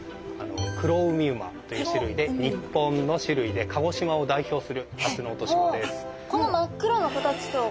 クロウミウマという種類で日本の種類で鹿児島を代表するタツノオトシゴです。